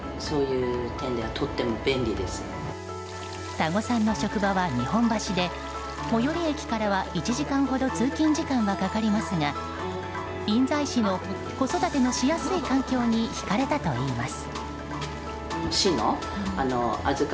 多胡さんの職場は日本橋で最寄り駅からは１時間ほどは通勤時間はかかりますが印西市の子育てのしやすい環境に引かれたといいます。